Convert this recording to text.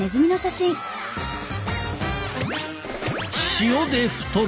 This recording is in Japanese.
塩で太る。